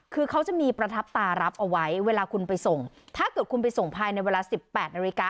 คือเขาจะมีประทับตารับเอาไว้เวลาคุณไปส่งถ้าเกิดคุณไปส่งภายในเวลาสิบแปดนาฬิกา